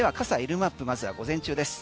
マップまずは午前中です。